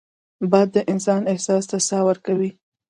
باد د انسان احساس ته ساه ورکوي